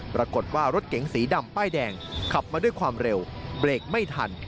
ปรากฏว่ารถเก๋งสีดำป้ายแดงขับมาด้วยความเร็วเบรกไม่ทัน